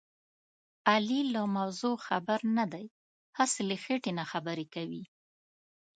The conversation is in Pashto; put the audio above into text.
علي له موضوع خبر نه دی. هسې له خېټې نه خبرې کوي.